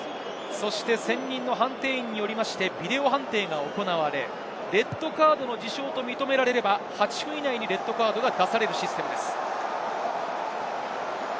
そして専任の判定員によって、ビデオ判定が行われ、レッドカードの事象と認められれば８分以内にレッドカードが出されるシステムです。